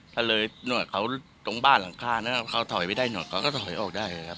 ถ้าเลยตรงบ้านหลังข้าเขาถอยไปได้หน่อยก็ถอยออกได้ครับ